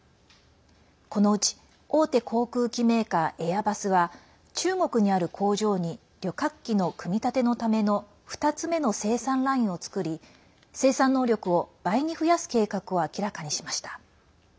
このうち、大手航空機メーカーエアバスは中国にある工場に旅客機の組み立てのための２つ目の生産ラインを作り生産能力を倍に増やす計画を明らかにしました。